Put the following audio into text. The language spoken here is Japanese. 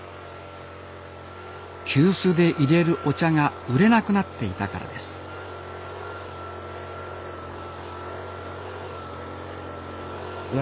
急須でいれるお茶が売れなくなっていたからですいや